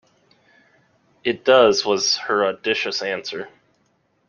It does, was her audacious answer.